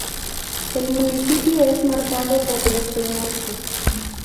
El municipio es marcado por los peñascos.